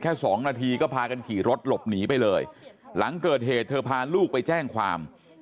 สองนาทีก็พากันขี่รถหลบหนีไปเลยหลังเกิดเหตุเธอพาลูกไปแจ้งความ